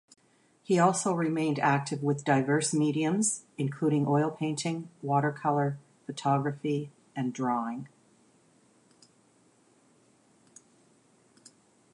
He also remained active with diverse mediums, including oil painting, watercolor, photography, and drawing.